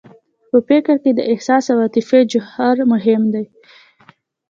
په فکر کې د احساس او عاطفې جوهر مهم دی